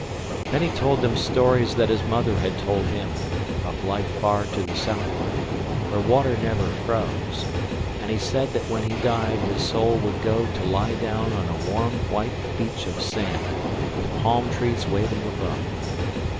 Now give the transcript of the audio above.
Then he told them stories that his mother had told him, of life far to the southward, where water never froze; and he said that when he died his soul would go to lie down on a warm white beach of sand with palm trees waving above.